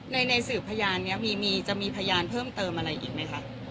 ในสืบพยานนี้จะมีพยานเพิ่มเติมอะไรอีกไหมคะ